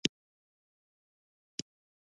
ابدالي د چیناب سیند پر غاړه خېمې وهلې دي.